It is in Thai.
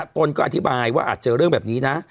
ตนก็อธิบายว่าอาจเจอเรื่องแบบนี้นะ